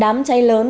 đám cháy lớn